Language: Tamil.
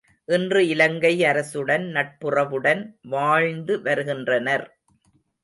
இன்று இலங்கை அரசுடன் நட்புறவுடன் வாழ்ந்து வருகின்றனர்.